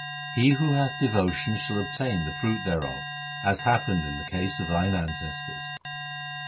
He who hath devotion shall obtain the fruit thereof, as happened in the case of thine ancestors.'